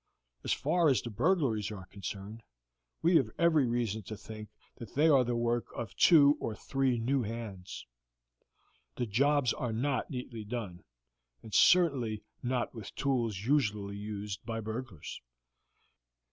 As far as the burglaries are concerned, we have every reason to think that they are the work of two or three new hands. The jobs are not neatly done, and certainly not with tools usually used by burglars.